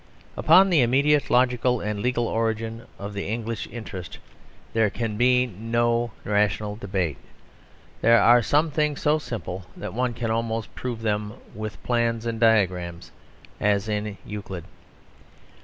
Upon the immediate logical and legal origin of the English interest there can be no rational debate. There are some things so simple that one can almost prove them with plans and diagrams, as in Euclid.